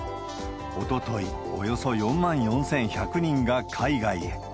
おととい、およそ４万４１００人が海外へ。